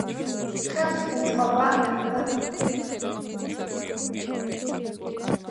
ხელს უწყობდა მეცნიერებისა და კულტურის განვითარებას.